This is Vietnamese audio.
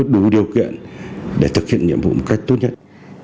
đủ điều kiện để thực hiện nhiệm vụ một cách tốt nhất